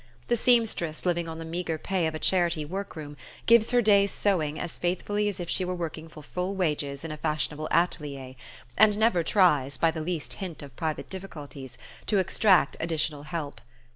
The seam stress living on the meagre pay of a charity work room gives her day's sewing as faithfully as if she were working for full wages in a fashionable atelier, and never tries, by the least hint of private difficulties, to extract additional help.